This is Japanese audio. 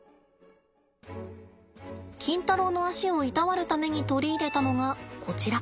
キンタロウの足をいたわるために取り入れたのがこちら。